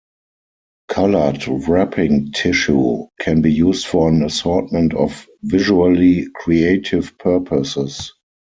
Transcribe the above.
Colored wrapping tissue can be used for an assortment of visually creative purposes.